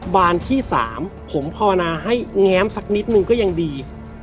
บานที่๓ผมภาวนาให้แง้มสักนิดนึงก็ยังดี